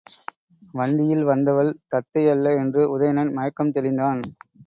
வண்டியில் வந்தவள் தத்தை அல்ல என்று உதயணன் மயக்கம் தெளிந்தான்.